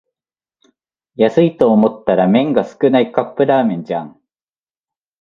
安いと思ったら麺が少ないカップラーメンじゃん